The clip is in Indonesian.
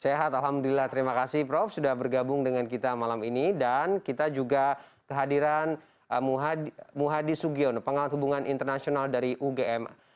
sehat alhamdulillah terima kasih prof sudah bergabung dengan kita malam ini dan kita juga kehadiran muhadi sugiono pengawal hubungan internasional dari ugm